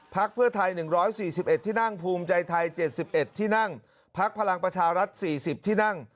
พักเพื่อไทย๑๔๑ที่นั่งภูมิใจไทย๗๑ที่นั่งพักพลังประชารัฐ๔๐ที่นั่ง